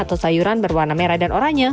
atau sayuran berwarna merah dan oranye